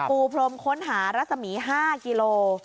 ปูพรมค้นหารัศมี๕กิโล